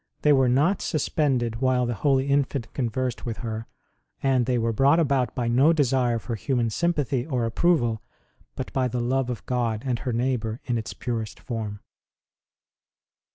They were not suspended while the Holy Infant conversed with her ; and they were brought about by no desire for human sympathy or approval, but by the love of God and her neighbour in its purest form.